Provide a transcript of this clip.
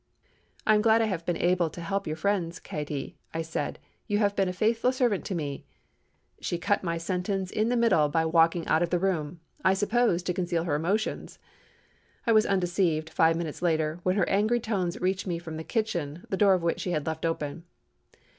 "I am glad I have been able to help your friends, Katy," I said. "You have been a faithful servant to me——" She cut my sentence in the middle by walking out of the room—I supposed, to conceal her emotions. I was undeceived, five minutes later, when her angry tones reached me from the kitchen, the door of which she had left open.